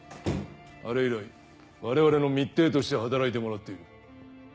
あれ以来我々の密偵として働いてもらっている。